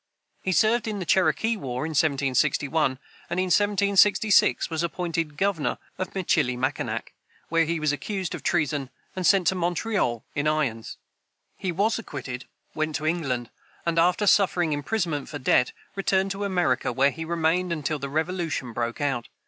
He served in the Cherokee war in 1761, and in 1766 was appointed governor of Michilimacinac, where he was accused of treason, and sent to Montreal in irons. He was acquitted, went to England, and, after suffering imprisonment for debt, returned to America, where he remained until the Revolution broke out.